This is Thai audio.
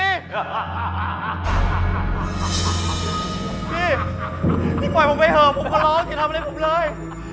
พี่พี่ปล่อยผมไปเถอะผมขอร้องอย่าทำอะไรผมเลย